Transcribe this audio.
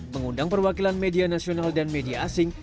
mengundang perwakilan media nasional dan media asing